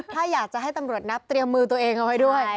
ถ้าอยากจะให้ตำรวจนับเตรียมมือตัวเองเอาไว้ด้วย